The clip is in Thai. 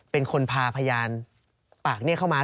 เป็นคนพาพยานปากนี้เข้ามา